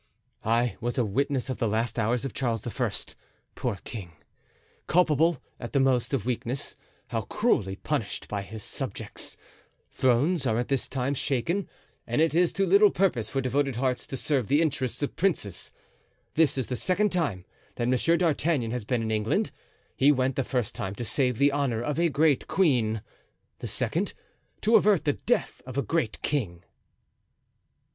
"I was a witness of the last hours of Charles I. Poor king! culpable, at the most, of weakness, how cruelly punished by his subjects! Thrones are at this time shaken and it is to little purpose for devoted hearts to serve the interests of princes. This is the second time that Monsieur d'Artagnan has been in England. He went the first time to save the honor of a great queen; the second, to avert the death of a great king."